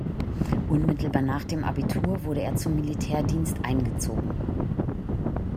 Unmittelbar nach dem Abitur wurde er zum Militärdienst eingezogen.